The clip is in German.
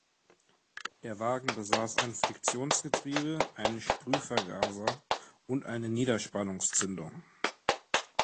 Der Wagen besaß ein Friktionsgetriebe, einen Sprühvergaser und eine Niederspannungszündung.